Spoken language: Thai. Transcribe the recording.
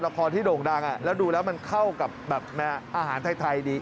เพราะว่าละครที่โด่งดังแล้วดูแล้วมันเข้ากับอาหารไทยดี